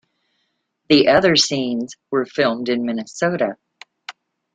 The other scenes were filmed in Minnesota.